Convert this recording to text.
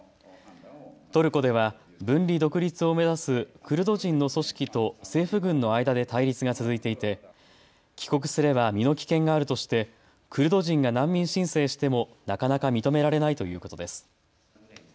トルコでは分離独立を目指すクルド人の組織と政府軍の間で対立が続いていて帰国すれば身の危険があるとしてクルド人が難民申請してもなかなか認められないということです。